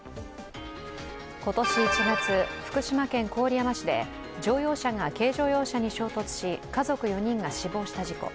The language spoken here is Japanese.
今年１月、福島県郡山市で乗用車が軽乗用車に衝突し、家族４人が死亡した事故。